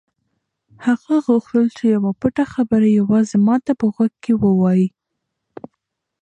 هغه غوښتل چې یوه پټه خبره یوازې ما ته په غوږ کې ووایي.